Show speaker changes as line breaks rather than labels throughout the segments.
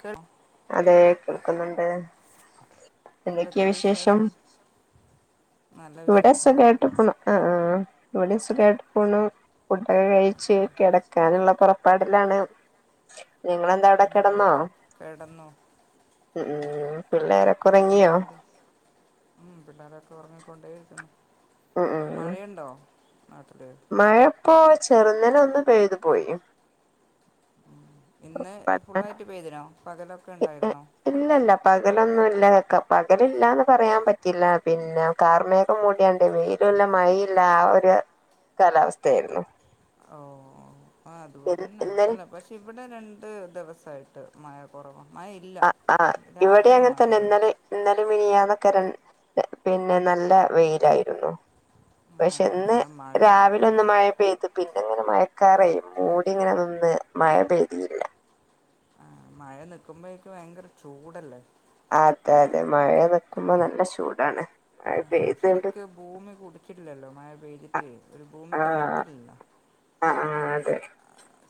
കേ
അതേക്ക ക്കുന്നുണ്ട് എന്തൊക്കെയാ വിശേഷം
നല്ല വിശേഷാണ്
ഇവിടെസുഖായിട്ട് പോണൂ ആഹ് ആഹ് ഇവിടെ സുഖായിട്ട് പോണ് ഫുഡൊക്കെ കഴിച്ച്
കെ
കിടക്കാനുള്ള പുറപ്പാടിലാണ് നിങ്ങളെന്താ അവിടെ കിടന്നോ
കിടന്നു
പിള്ളോരക്ക
എല്ലണ്ട് മ് പിള്ളോരൊക്കെ ഉറങ്ങി കൊ കൊണ്ടേയിരിക്കുന്നു
ഉം ഉം
മഴയുണ്ടോ നാട്ടില്
മഴപ്പോ ചെറുനില ഒന്ന് പെയ്തു പോയി
ഇന്ന് ഫുള്ളായിട്ട് പെയ്തിനോ പകലൊ ഒക്കെ ഉണ്ടായിരുന്നോ
ഇല്ലല്ല പകലൊന്നും ഇല്ല പകലില്ലന്ന് പറയാൻ പറ്റില്ല പിന്നെ കാർമേഘം മൂടിയാണ്ട് വെയിലല്ല മഴയില്ല ആ ഒരു കാലാവസ്ഥയായിരുന്നു
ഓ ആഹ അതുപോലെന്നെ
ഇന്നലെ
അല്ല പക്ഷേ ഇവിടെ രണ്ട് ദിവസമായിട്ട് മഴ കുറവാണ്
ആ ആ ഇവിടെ അങ്ങനെ തന്നെ
ഉള്ളൂ
ഇന്നലിം മിനാന്നും കരൻ പിന്നെ നല്ല വെയിലായിരുന്നു
ആ
പക്ഷെ ഇന്ന്
ആ മഴ
രാവിലെ ഒന്ന് മഴ പെയ്തി പിന്നെങ്ങനെ മയക്കാറെ മൂടിങ്ങനെ നിന്ന് മഴ പെയ്തില്ല
ആ മഴ നിക്കുമ്പോഴോക്കും ഭയങ്കര ചൂടല്ലേ
അതെ അതെ മഴ നിക്കുമ്പോ നല്ല ചൂടാണ് മഴ
ഉ
പെയ്തണ്ട്
ശരിക്കും ഭൂമി കുടിച്ചിട്ടില്ലല്ലോ മഴ പെയ്തിട്ട് ഒരു ഭൂമി
ആഹ്
തണുത്തില്ലല്ലോ
ആഹ് ആഹ് അതെ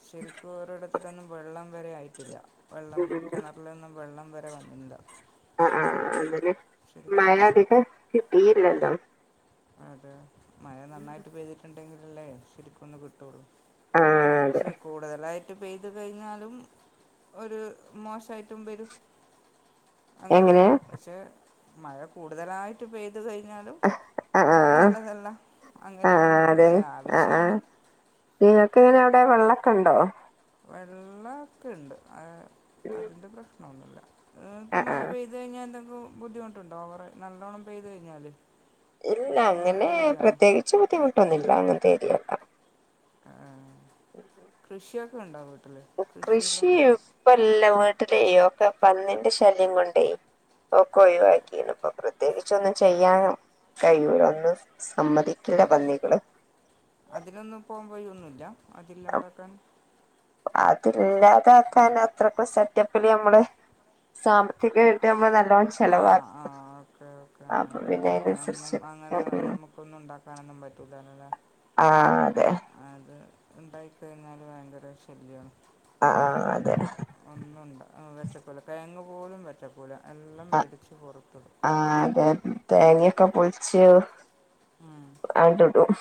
ശരിക്കും ഓരോടിത്തിക്കും വെള്ളം ഇത് വരെ ആയിട്ടില്ല വെള്ളം
ഉം
കിണറിലൊന്നും വെള്ളം വരെ വന്നില്ല
ആഹ് ആഹ്
ശരി
തീരില്ലല്ലോ
അതെ മഴ നന്നായിട്ട് പെയ്തിട്ടുണ്ടെങ്കിൽ അല്ലേ ശരിക്കൊന്ന് കിട്ടുള്ളൂ
ആഹ് അതെ
പക്ഷെ കൂടുതലായി് മഴ പെയ്ത് കഴിഞ്ഞാലും ഒരു മോശമായിട്ടും വരും
എങ്ങനെ
അങ്ങനെയുണ്ട് പക്ഷെ മഴ കൂടുതലായിട്ട് പെയ് പെയ്തു കഴിഞ്ഞാലും
ആഹ് ആഹ്
നല്ലതല്ല
ആഹ്
അങ്ങനെയുമുണ്ട്
അതെ
പക്ഷെ ആവശ്യമാണ്
അ അവിടെ വെള്ളൊക്കെ ഉണ്ടോ
വെള്ളൊക്കെണ്ട് അ അതിന്റെ പ്രശ് [unintelligible] ങ്ങൾക്ക്
ആഹ്
മഴ
ആഹ്
പെയ്തു കഴിഞ്ഞാ എന്തെങ്കു ബുദ്ധിമുട്ടുണ്ടോ കുറെ നല്ലോണ്ണം പെയ്തു കഴിഞ്ഞാൽ
ഇല്ല
അങ്ങനെയുള്ള
അങ്ങനെ
ഏരിയ ആണോ
പ്രത്യേകിച്ച് ബുദ്ധിമുട്ടൊന്നുല്ല അങ്ങനെ ശരിയെല്ല
ആഹ് കൃഷ്യ ക് ണ്ടാവോ
കൃഷി ഇപ്പല്ല വൻ തെ തെയ്യോക്കെ പന്നിന്റെ ശല്യം കൊണ്ടേ ഒക്കെ ഒഴിവാക്കി ഇപ്പൊ പ്രത്യേകിച്ചൊന്നും ചെയ്യാനോ കഴിയൂല ഒന്ന് സമ്മതിക്കില്ല പന്നികള്
പയുന്നുല്ല
അപ്പ
അതില്ലാണ്ടാക്കാൻ
അതില്ലാതാക്കാൻ അത്രക്ക സെറ്റപ്പില് നമ്മള് സാമ്പത്തികായിട്ട് നമ്മ ന
ആഹ് ആഹ് ഓക്കെ ഒകെ ആ
അപ്പൊ പിന്നെ
അപ്പന്നും
അതിനനുസരിച്ച്
അങ്ങനെ
ഉം ഉം
നമ്മുക്കൊന്നും ണ്ടാക്കാനൊന്നും പറ്റൂല്ലല്ലേ
ആ അതെ
അത് ഉണ്ടായി കഴിഞ്ഞാൽ ഭയങ്കര ശല്യണ്
ആ ആ അതെ
ഉണ്ടാ വെച്ചക്കൂല കിഴങ്ങ് പോലും പറ്റക്കൂല
അ ആ അതെ [unintelligible] ക്കെ പൊൾച്ച്
ഉം.
ആണ്ട്ടും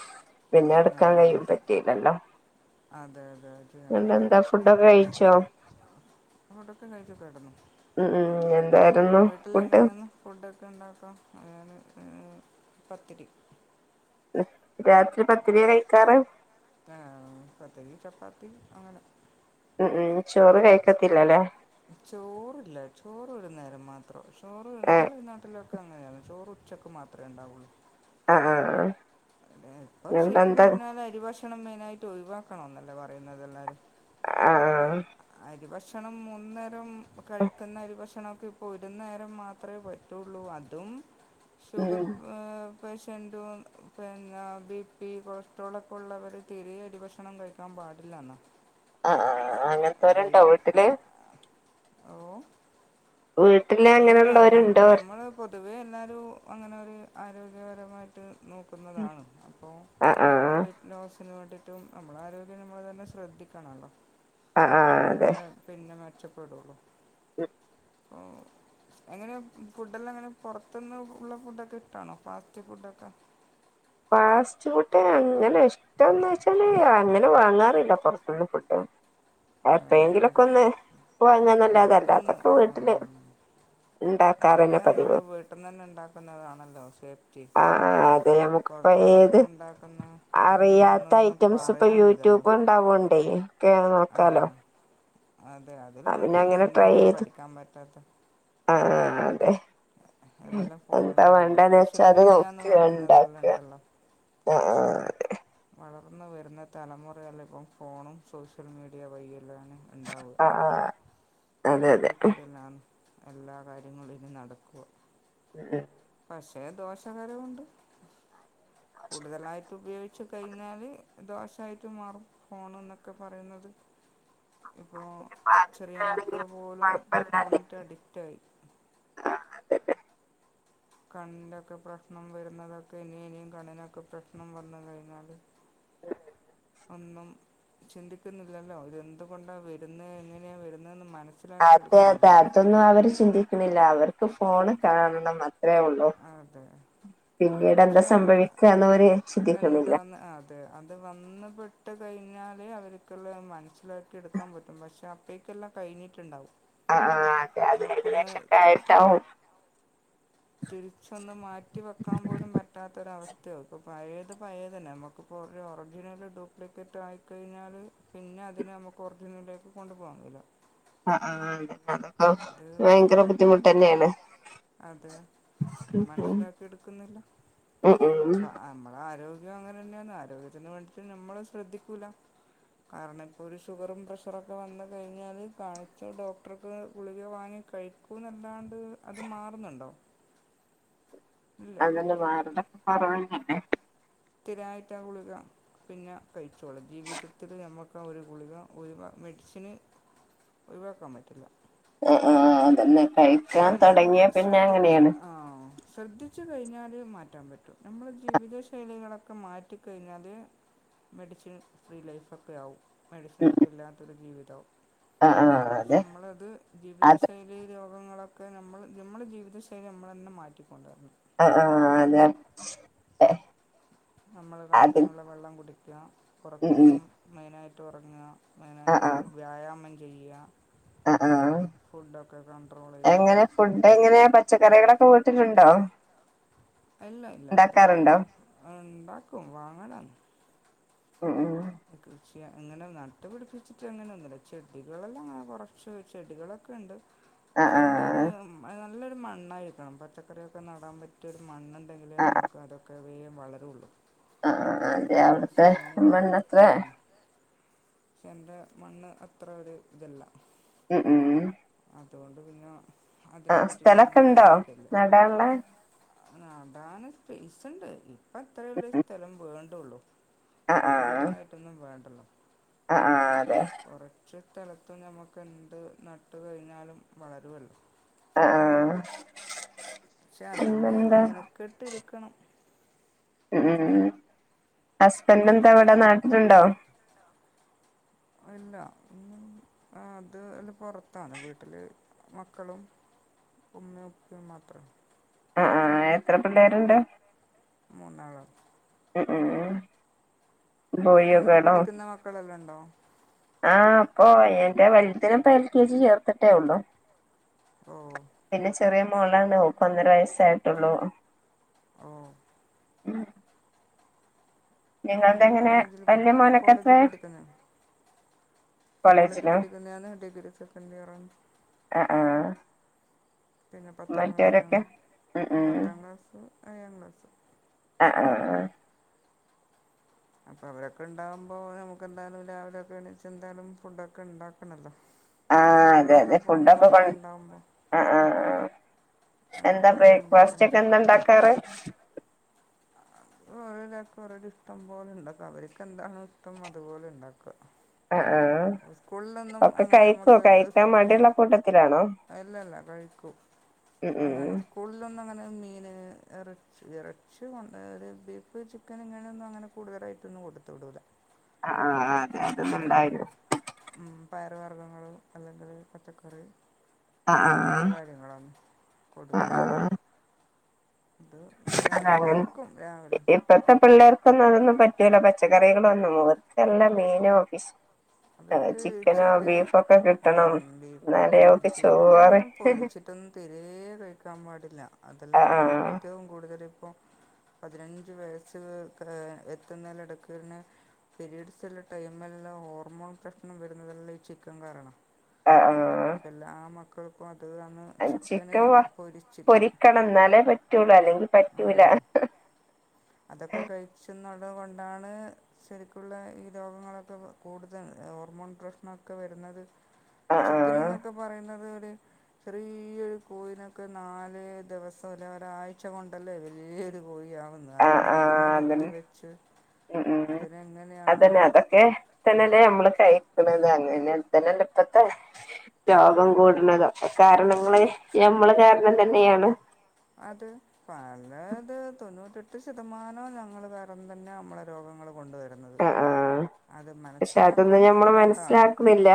പിന്നെ എടുക്കാൻ [unintelligible] പറ്റില്ലല്ലോ
അതെ അതെ അത് ഞാൻ
നല്ല
വരാം
എന്താ ഫുഡൊക്കെ കഴിച്ചോ
ഫുഡൊക്കെ കഴിച്ച് കിടന്നു
ഉ ഊ എന്തായിരുന്നു ഫുഡ്
വീട്ടിലെങ്ങനെയാണ് [unintelligible] പത്തിരി
[unintelligible] പത്തിരിയാ കഴിക്കാറ്
താ പത്തിരീം ചപ്പാത്തീം
ഉം ഉം ചോറ് കഴിക്കത്തില്ലല്ലേ
ചോറില്ല ചോറ് ഒരുനേരം മാത്രം ചോറ്
ഏഹ്
നമ്മൾ ഈ നാട്ടിലൊ ക്കെ അങ്ങനേണ് ചോറ് ഉച്ചക്ക് മാത്രേ ഇണ്ടാവുള്ളൂ
അ ആഹ്
എഹ് ഇപ്പൊ ശെരിക്കു
എന്നിട്ടെന്താ
പറഞ്ഞാല അരിഭക്ഷ് ക്ഷണം മെയിനായിട്ട് ഒഴിവാക്കണോന്നല്ലേ പറയുന്നത് എല്ലാരും
ആഹ്
ഭക്ഷണം മൂന്ന് നേരം പ്പ കഴിക്കുന്ന അരി ഭക്ഷണം ത്ഇപ്പോ ഒരു നേരം മാത്രേ പറ്റൊള്ളൂ അതും ഷുഗർ
ഉം
ഫ്ര പേഷ്യന്റു പിന്നെ ബി പി കൊളസ്ട്രോളൊക്കെ ഉള്ളോര് തീരെ അരി ഭക്ഷണം കഴിക്കാൻ പാടില്ലാന്നാ
അഹ് ആഹ് ആഹ് അങ്ങൻത്തോര്ണ്ടോ വീട്ടില്
ഓ
വീട്ടില്
ഇല്ല നമ്മ
അങ്ങനെയുള്ളോരുണ്ടോ
നമ്മള് പൊതുവേ എല്ലാരും അങ്ങനെ ഒരു ആരോഗ്യപരമായിട്ട് നോക്കുന്നതാണ് അപ്പോൾ
ആഹ് ആഹ്
വെയിറ്റ് ലോസിന് വേണ്ടി ഏറ്റവും നമ്മളെ ആരോഗ്യം നമ്മൾ തന്നെ ശ്രദ്ധിക്കണല്ലോ
ആഹ് ആഹ് അതെ
നല്ല പിന്നെ മെച്ച പ്പെടുള്ളൂ.
[unintelligible]
ഓഹ് എങ്ങനെയാ ഫുഡെല്ലം എങ്ങനെ പുറത്ത്ന്ന് ഉള്ള ഫുഡൊക്കെ ഇഷ്ട്ടാണോ ഫാസ്റ്റ് ഫുഡൊക്കെ?
ഫാസ്റ്റ് ഫുഡ് അങ്ങനെ ഇഷ്ടന്ന് വെച്ചാല് അങ്ങനെ വാങ്ങാറില്ല പൊറത്തിന്ന് ഫുഡ്.
ആഹ്
എപ്പഴെങ്കിലൊക്കെ
എടക്ക്‌
ഒന്ന് വാങ്ങാന്നല്ലാതെ
എടക്ക് ഒന്ന്
അല്ലാത്തൊക്കെ വീട്ടില്
ആഹ് അതൊക്കെ
ഇണ്ടാക്കാറന്നെ പതിവ്
നമ്മുക്ക് വീട്ടന്നന്നെ ഇണ്ടാക്കി‌ന്നതാണല്ലോ സേ
ആഹ് ആഹ് അത് ഞമ്മക്കിപ്പ ഏത്
ഉണ്ടാക്കുന്ന
അറിയാത്ത
എങ്ങനെയാണെന്നൊന്നും
ഐറ്റംസ് ഇപ്പ
പറയാൻ കഴിയില്ലല്ലോ
യൂട്യൂബ് ഇണ്ടാവോണ്ടേ ക്കെ
അതെ
നോക്കാലോ
അതെ അതില്
ആഹ് പിന്നെ
നോക്കിട്ട്
അങ്ങനെ
എന്താ
ട്രൈ
ഇപ്പ
ചെയ്ത്
പഠിക്കാൻ പറ്റാത്തേ?
ആഹ് [unintelligible]
എല്ലാം
എന്താ
ഫോണിലാണല്ലോ
വേണ്ടന്ന്
സോഷ്യൽ
വെച്ചാ അത്
മീഡിയാന്ന് പറയുന്നതെല്ലം ഇണ്ടല്ലോ
ആഹ് ആഹ് അതെ.
വളർന്ന് വെരുന്ന തലമുറയെല്ല ഇപ്പം ഫോണും സോഷ്യൽ മീഡിയ വയി ഇല്ലാണ് ഇണ്ടാവൊ
ആഹ് ആഹ് അതെ അതെ
അതിലെ കൂടെല്ലാന്ന്‌ എല്ലാ കാര്യങ്ങളിലും നടക്കൊ
ഉം ഉം
പക്ഷെ ദോഷകരവു മുണ്ട് കൂടുതലായിട്ട് ഉപയോഗിക ച്ച് കഴിഞ്ഞാല് ദോശായിട്ട് മാറും ഫോണ് എന്നൊക്കെ പറയുന്നത് ഇപ്പോ ചെറിയ മക്കള്
പാകത്തിനാണെങ്കിലും
പോലും
കൊഴപ്പല്ലാതെ
ഫോണിറ്റ് അഡിക്റ്റായി
അതെ
കണ്ണിന്റൊ ക്കെ പ്രശ്നം വരുന്നതൊക്കെ ഇനി ഇനി കണ്ണിനൊക്കെ പ്രശ്നം വന്ന് കഴിഞ്ഞാല് ഒന്നും ചിന്തിക്കുന്നില്ലല്ലോ ഇത് എന്തുകൊണ്ടാ വെരുന്നെന്ന് എങ്ങനെയാ വരുന്നെന്ന് മന
അതെ അതെ അതൊന്നും അവര് ചിന്തിക്ക്ണ്ല്ല അവർക്ക് ഫോണ് കാണണം മതി അത്രേ ഉള്ളു
അതെ
പിന്നീട് എന്താ
പക്ഷേ
സംഭവിക്കുവാന്ന് വരെ ശുദ്ധിക്കണില്ല
ട്ട് കഴിഞ്ഞാലേ അവർക്കുള്ള മൻ സിലാക്കി എടുക്കാൻ പറ്റും പക്ഷേ അപ്പേക്കെല്ലാം കഴിഞ്ഞിട്ടുണ്ടാവും
ആ ആഹ് അതെ അത്
നമുക്കൊന്ന്
വെശക്ക ആയിട്ടാവും
തിരിച്ചൊന്നും മാറ്റി വെക്കാൻ പോലും പറ്റാത്തൊരവസ്ഥയാക്കും പയേത് പയേതല്ലേ നമുക്കിപ്പോ ഒരു ഒറിജിനല് ഡ്യൂപ്ലിക്കേറ്റ് ആയിക്കഴിഞ്ഞാല് പിന്നെ അതിനെ നമുക്ക് ഒറിജിനലിലേക്ക് കൊണ്ടു പോകാൻ കഴില്ല
ആഹ് ആ് അതെ അതെ ആ വയങ്കര ബുദ്ധിമുട്ടന്നെയാണ്
അതെ അത് മനസിലാക്കി എടുക്കുന്നില്ല
ഉം ഉം
അ നമ്മള ആരോ ഗ്യം അങ്ങനെ തന്നെയന്ന് ആരോഗ്യത്തിന് വേണ്ടിയിട്ട് നമ്മള് ശ്രദ്ധിക്കൂല്ല കാരണം ഇപ്പോ ഒരു ഷുഗറും പ്രഷറൊക്കെ വന്ന് കഴിഞ്ഞാല് കാണിച്ച ഡോക്ടർക്ക് ഗുളിക വാങ്ങി കഴിക്കൂന്നല്ലാണ്ട് അത് മാറുന്നുണ്ടോ ഇല്ല
അതന്നെ വേറെടൊക്കെ പറ [unintelligible] ആ
സ്ഥിരായിട്ടാ ഗുളിക പിന്നെ കഴിച്ചോള ജീവിതത്തില് നമ്മക്കാ ഒരു ഗുളിക ഒഴിവാ മെഡിസിന് ഒഴിവാക്കാൻ പറ്റില്ല
ആഹ് ആഹ് അതന്നെ
പക്ഷെ
കഴിക്കാൻ
നമ്മൾ
തൊടങ്ങിയാ
ശ്രദ്ധി
പിന്നങ്ങനെയാണ്
ആ ശ്രദ്ധിച്ചു കഴിഞ്ഞാൽ മാറ്റാൻ പറ്റും ശ്രദ്ധിച്ചു കഴിഞ്ഞാല് മാറ്റാൻ പറ്റും നമ്മളെ ജീവിത ശൈലികളൊക്കെ മാറ്റിക്കഴിഞ്ഞാല് മെഡിസിൻ ഫ്രീ ലൈഫൊക്കെ ആവും
ഉം
മെഡിസിനൊക്കെ ഇല്ലാത്തൊരു ജീവിതവും
ആഹ് ആഹ്
പക്ഷെ
അതെ
നമ്മളത് ജീവിത
അത്
ശൈലി രോ ഗങ്ങളൊക്കെ നമ്മള് നമ്മളെ ജീവിതശൈലി നമ്മള് തന്നെ മാറ്റിക്കൊണ്ടുവരണം
ആ ആഹ് അതെ ഏഹ്
നമ്മള് കണക്കിനുള്ള വെള്ളം കുടി ക്ക്യാ
ഉം ഉം
ഒറക്കം മെയിനാ ട്ട് ഒറങ്ങാ
ആഹ്
മെയ്നായിട്ട്
ആഹ്
വ്യായാമം ചെയ്യ്ക
ആഹ് ആഹ്
കൺട്രോൾ ചെയ്യുക
എങ്ങനെയാ ഫുഡ് എങ്ങനെയാ പച്ചക്കറികളൊക്കെ ട്ടിലുണ്ടോ
ഇല്ല ഇല്ല അതൊക്കെ ഉണ്ടാക്കും വാങ്ങണ
ഉം ഉം
കൃഷി അങ്ങനെ നട്ടു പിടിപ്പിച്ചിട്ട് അങ്ങനെ ഒന്നുല്ല ചെടികളെല്ലാം അങ്ങനെ കുറച്ച് ചെടികളൊക്കെ ഇ
ആഹ്
പക്ഷെ എന്റെ
ആഹ്
ഒരു മ്മ നല്ലൊരു മണ്ണായിക്കണം പച്ചക്കറികളൊക്കെ നടാ പറ്റിയ ഒര് മണ്ണ ഇണ്ടെങ്കിലേ ഞമക്ക് അതൊക്കെ പേ വളരോള്ളു
അഹ് ആഹ് യവ്ട്ത്തെ
ആ,
മണ്ണെത്രേ
പക്ഷെ എന്റെ മണ്ണ് അത്ര ഒരു ഇതല്ല.
ഉ ഉം
അതുകൊണ്ട് പിന്ന
ആഹ് സ്ഥലൊക്കെ ഇണ്ടോ നടാൻ ഇള്ളെ
നടാന് സ്പേസ്ണ്ട്. പ്പ അത്രെയൊള്ളു സ്ഥലം വേൺ ണ്ടൊള്ളൂ കൂടുതലായിട്ടൊന്നും വേണ്ടല്ലോ.
അഹ് ആഹ് അതെ
കൊറച്ച് സ്ഥലത്ത് നമുക്ക് എന്ത് നട്ട് കഴിഞ്ഞാലും വളരുവല്ലോ.
അഹ് ആഹ്
പക്ഷെ അതിന്
പിന്നെന്താ
മെനക്കെട്ട് ഇരിക് ക്കണം.
ഉ ഉം ഹസ്ബൻഡ് എന്താ
അത്
വടെ നാട്ടില് ണ്ടോ?
ഇല്ല ഒന്നും ആഹ് അത് അല്ല പൊറത്താണ് വീട്ട്ല് മക്കളും ഉമ്മയും ഉപ്പയും മാത്രാ.
അഹ് ആഹ് എത്ര പിള്ളേര്ണ്ട്?
മൂന്നാള്.
മ് മ് മ് -
നിങ്ങൾക്ക്
പോയിയൊക്കാണോ
പഠിക്കുന്ന മക്കളെല്ലാം ഉണ്ടോ
ആഹ് - ഓ എന്റെ വൽതിന ഇപ്പ എൽ കെ ജി ചേർത്തിട്ടേ ഉള്ളോ
ഓ
- പിന്നെ- ചെറിയ മോളണ് ഓക്ക് ഒന്നര വയസ്സായിട്ടുള്ളൂ-
മ് -
മ് - നിങ്ങളുടെ
എന്ത്
എങ്ങനെ
കോളേജിൽ
വല്യ മോനൊക്കെത്രേ-
കോളേജ് പഠിക്കുന്നയാള് ഡിഗ്രി സെക്കൻഡ് ഇയർ ആണ്-
ആഹ് ആഹ്
പിന്നെ പത്താം
മറ്റവരൊക്കെ
ക്ലാസ്സിലാണ്
ഉം ഉം
പത്താം ക്ലാസ്- ഏയാം ക്ലാസ്സ്-
ആഹ് ആഹ് -
അപ്പൊ അവരൊക്കെ ഉണ്ടാവുമ്പോ നമുക്കെന്തായാലും രാവിലെക്കെ എണീച്ച് എന്തായാലും ഫുഡോക്കെ ഇണ്ടാക്കണോല്ലോ-
ആ അതെ അതെ ഫുഡൊക്കെ കൊ.
മക്കളുണ്ടാകുമ്പോൾ
ആ ആ ആ എന്താ
അതൊക്കെ എങ്ങനെ
ബ്രേക്ക്ഫാസ്റ്റ്
ഉണ്ടാക്കണം
ഒക്കെ എന്താണ്ടാക്കാറ്
ഓ ഓരോരാക്ക് ഓരോരോ ഇഷ്ടം പോലെ ഇണ്ടാക്ക അവർക്കെന്താണ് ഇഷ്ടം അതുപോലെ ഉണ്ടാക്കുക
ആ ആ
അ സ്കൂളിലൊന്നും
ഒക്കെ
അങ്ങനെ
കഴിക്കോ
നമ്മുക്ക്
കഴിക്കാൻ മടിയുള്ള കൂട്ടത്തിലാണോ
എല്ലല്കഴിക്കും
ഉം
അപ്പ
ഉം
അങ്ങനെ സ്കൂളിലൊന്നും അങ്ങനെ മീന് ഇറച്ചി ഇറച്ചി കൊണ്ടോയാലും ബീഫ് ചിക്കൻ ഇങ്ങനെയൊന്നും അങ്ങനെ കൂടുതലായിട്ടൊന്നും കൊടുത്തു വിടൂല
ആ ആ ആ
അതെല്ലാം ഉം പയറ് വർഗ്ഗങ്ങളും അല്ലെങ്കിൽ പച്ചക്കറി
ആ ആ
അങ്ങനെയുള്ള കാര്യങ്ങളാണ്
ആ
കൊടുക്കുക
ആ
ഇത്
അത
രാവിലെ
അങ്ങനെ
കഴിക്കും രാവിലെ
ഇപ്പത്തെ പിള്ളേർക്കൊന്നും അതൊന്നും പറ്റൂല പറ്റു പച്ചക്കറികളൊന്നും [unintelligible] മീനോ ഫിഷ്
അവർക്ക്
ചിക്കനോ
ചിക്കന്
ബീഫോ ഒക്കെ കിട്ടണം
ഉം ബീഫ്
എന്നാലേ
ഉം
ഓക്ക് ചോറ്
ചിക്കനൊന്നും പൊരിച്ചിട്ടൊന്നും തീരെ കഴിക്കാൻ പാടില്ല
ആ
അതെല്ലാണ്
ആ
ഏറ്റവും കൂടുതല് പതിനഞ്ച് വയസ് എത്തുന്നെന്റെ ഇടക്കെ തന്നെ പിരീഡ്സ് ഉള്ള ടൈമെല്ലാം ഹോ മോൺ പ്രശ്നം വരുന്നു ഇതെല്ലാം ഈ ചിക്കൻ കാരണം
ആ
[unintelligible] [unintelligible]
ആ
ചിക്കന്
ചിക്കൻ വ
പൊരിച്ചിട്ട്
പൊരിക്കണം എന്നാലേ പറ്റുള്ളു അല്ലെങ്കി പറ്റൂല
അതൊക്കെ കഴിച്ചേന്ന അതുകൊണ്ടാണ് ശരിക്കുള്ള ഈ രോഗങ്ങളൊക്കെ കൂടുതൽ ഹോർമോൺ പ്രശ്നമൊക്കെ വരുന്നത്
ആ ആ
ചിക്കൻ എന്നൊക്കെ പറയുന്നത് ഒരു ചെറിയൊരു കോഴിനൊക്കെ നാല് ദിവസം അല്ല ഒരാഴ്ച കൊണ്ടല്ലേ വലിയൊരു കോഴി ആകുന്നത്
ആ ആ അതെ ഉം
അതിനെങ്ങനെയാണ്
അതന്നെ അതൊക്കെ തന്നെല്ലേ നമ്മള് കഴി അങ്ങനെ അങ്ങനെ തന്നല്ല ഇപ്പത്തെ രോഗം
അത്
കൂടുന്നത് ഒക്കെ കാരണം മ്മ ഞമ്മള് കാരണം തന്നെയാണ്
അത് പലത് തൊണ്ണൂറ്റെട്ട് ശതമാനവും ഞങ്ങൾ വേറെ തന്നെ നമ്മളെ രോഗങ്ങൾ കൊണ്ടുവരുന്നത്
ആ ആഹ്
അത്
പക്ഷെ അതൊന്നും നഞമ്മൾ
മനസ്സിലാക്കാത്തത് കൊണ്ടാണ്
മനസ്സിലാക്കുന്നില്ല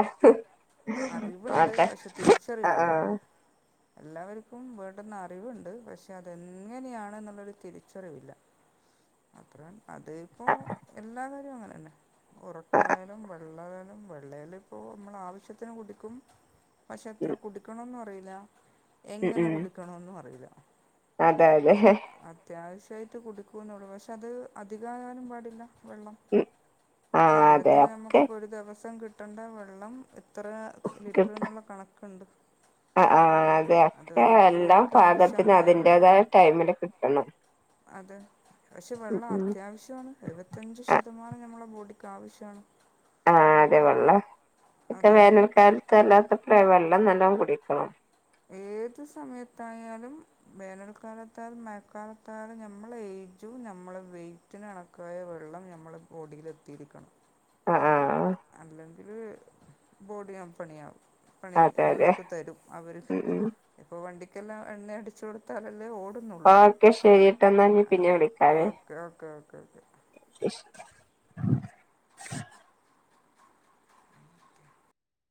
അറിവുണ്ട്
ഓക്കെ
പക്ഷെ
ആ ആഹ
തിരിച്ചറിവില്ല എല്ലാവർക്കും വേണ്ടുന്ന അറിവുണ്ട് പക്ഷെ അതെങ്ങനെയാാണ്െന്നുള്ളരു തിരിച്ചറിവില്ല അത്രതന്നെ അത ഇപ്പോൊ
ആ
എല്ലാ അങ്ങനണ്ട്
ആ
ഉറക്കായാലും വെള്ള വെള്ളൽ ഇപ്പോ നമ്മൾ ആവശ്യ പത്തിന് കുടിക്കും പക്ഷെ എത്ര
ഉം
കുടിക്കണംന്ന് പറയില്ല ല്ല
ഉം
എങ്ങനെ
ഉം
കുടിക്കണന്നും അറിയില്ല
അതെ അതെ
കൃത്യായിട്ട് കുടുക്കുന്നെ ഉള്ളൂ പക്ഷേ അത് അധിക ആകാനും പാടില്ല വെള്ളം
ഉം ആ അതെ
ശരീരത്തിൽ
ഒക്കെ
നമുക്കിപ്പോ ഒരു ദിവസം കിട് [inaudible] വെള്ളം ഇത്ര
കിട്ടും
ലിറ്ററെന്നിള്ള കണക്കെണ്ട്
ആ ആ അതെ ഒക്കെ
അതവരരു
എല്ലാം
ബോഡിക്ക്
പാകത്തിന്
ആവശ്യമായ വെള്ളം
അതിന്റേതായ ടൈമില് കിട്ടണം
അത പക്ഷെ
ഉം
വെള്ളം
ഉം
അത്യാവശ്യാണ് എഴുപത്തഞ്ച്
ആ
ശതമാനം ഞമ്മള ബോഡി ക്കാവശ്യാണ്
ആഹ അതേ വെള്ള ഇക്ക
അതെ
വേനൽ കാലത്ത് അല്ലാത്ത [unintelligible] എല്ലാം നല്ലോം കുടിക്കണം
ഏത് സമയത്തായാലും വേനൽക്കാലത്താൽ മഴക്കാലത്തായാലും നമ്മള ഏജും നമ്മളെ വെറ്റിനണക്കായ വെള്ളം നമ്മളെ ബോഡിൽ എത്തിയിരിക്കണം
ആ ആ
അല്ലെങ്കില് ബോഡിയാംപ്പണിയാകും പണി
അതെ അതെ
നമ്മുക്ക് തരും അവര്
ഉം ഉം
ഇപ്പൊ വണ്ടിക്കെല്ലാം എണ്ണ അടിച്ചു കൊടുത്താലല്ലേ ഓട്
ഓക്കെ ശെരിട്ട എന്നാ ഞ പിന്നെ വിളിക്കാവേ
ഓക്കെ ഓക്കെ ഓക്കെ ഓക്കെ
ആ